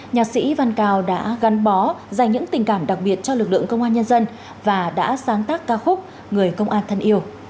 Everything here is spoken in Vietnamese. nhạc sĩ văn cao đã gắn bó dành những tình cảm đặc biệt cho lực lượng công an nhân dân và đã sáng tác ca khúc người công an thân yêu